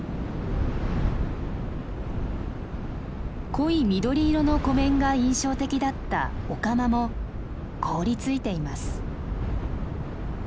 濃い緑色の湖面が印象的だった御釜も凍りついています。